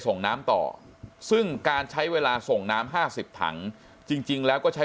ส่งน้ำต่อซึ่งการใช้เวลาส่งน้ำ๕๐ถังจริงแล้วก็ใช้